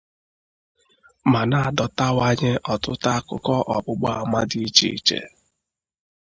ma na-adọtawanye ọtụtụ akụkọ ọgbụgba àmà dị iche iche.